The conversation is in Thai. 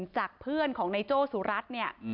จากเพื่อนของนายโจ้สุรัตน์เนี่ย